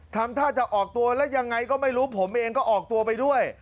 ทำท่าจะออกตัวแล้วยังไงก็ไม่รู้ผมเองก็ออกตัวไปด้วย